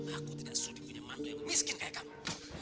aku tidak sudi punya mantel yang miskin kayak kamu